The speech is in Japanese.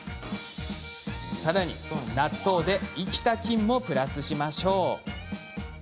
更に納豆で生きた菌もプラスしましょう。